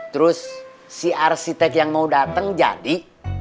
terus si arsitek yang mau datang jadi